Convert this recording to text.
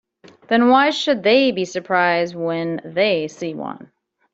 Then why should they be surprised when they see one?